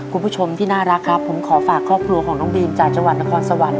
คุณผู้ชมที่น่ารักครับผมขอฝากครอบครัวของน้องบีมจากจังหวัดนครสวรรค์